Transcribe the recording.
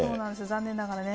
残念ながらね。